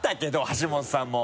橋本さんも。